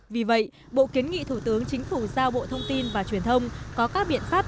vì vậy bộ kiến nghị thủ tướng chính phủ giao bộ thông tin và truyền thông có các biện pháp